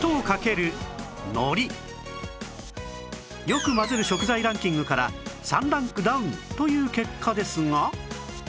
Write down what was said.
よく混ぜる食材ランキングから３ランクダウンという結果ですが